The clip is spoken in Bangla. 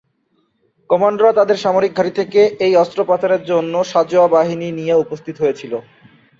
কমান্ডোরা তাদের সামরিক ঘাঁটি থেকে এই অস্ত্রোপচারের জন্য সাঁজোয়া বাহিনী নিয়ে উপস্থিত হয়েছিল।